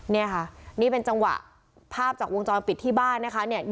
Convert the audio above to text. เนี่ยค่ะนี่เป็นจังหวะภาพจากวงจรปิดที่บ้านนะคะเนี่ย